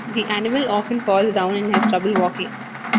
The animal often falls down and has trouble walking.